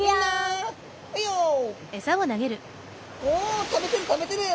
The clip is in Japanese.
おお食べてる食べてる！